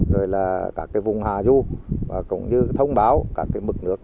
rồi là các vùng hà ru và cũng như thông báo các mực nước